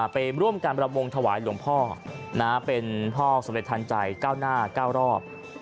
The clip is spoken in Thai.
ไปร่วมการรำวงถวายหลวงพ่อเป็นพ่อสมเด็จทันใจก้าวหน้า๙รอบ